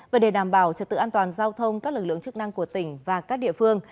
về để đảm bảo trật tự an toàn giao thông các lực lượng chức năng của tỉnh và các địa phương